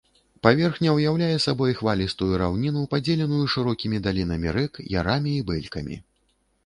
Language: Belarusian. Паверхня ўяўляе сабой хвалістую раўніну, падзеленую шырокімі далінамі рэк, ярамі і бэлькамі.